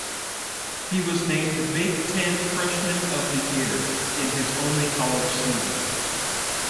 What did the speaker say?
He was named Big Ten Freshman of the Year in his only college season.